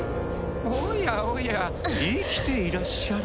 おやおや生きていらっしゃるとは。